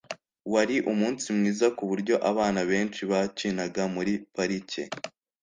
wari umunsi mwiza kuburyo abana benshi bakinaga muri parike